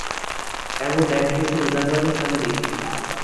এমন একপেশে উদার মানুষ আমি দেখিনি।